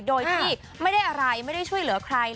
โดยที่ไม่ได้อะไรไม่ได้ช่วยเหลือใคร